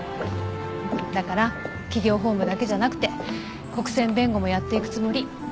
だから企業法務だけじゃなくて国選弁護もやっていくつもり。